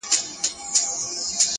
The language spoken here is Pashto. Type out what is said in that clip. چي څرنگه تصوير به مصور ته په لاس ورسي _